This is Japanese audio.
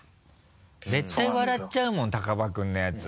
絶対笑っちゃうもん高羽君のやつ。